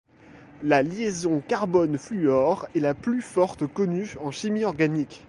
La liaison carbone-fluor est la plus forte connue en chimie organique.